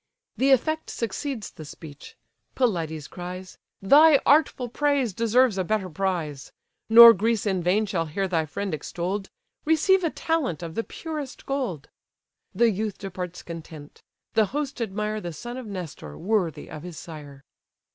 The effect succeeds the speech. Pelides cries, "Thy artful praise deserves a better prize. Nor Greece in vain shall hear thy friend extoll'd; Receive a talent of the purest gold." The youth departs content. The host admire The son of Nestor, worthy of his sire.